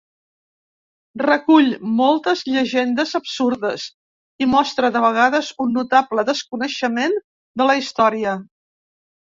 Recull moltes llegendes absurdes i mostra de vegades un notable desconeixement de la història.